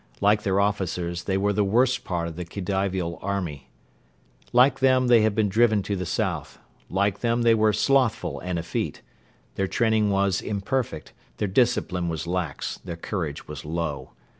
Like their officers, they were the worst part of the Khedivial army. Like them, they had been driven to the south. Like them, they were slothful and effete. Their training was imperfect; their discipline was lax; their courage was low.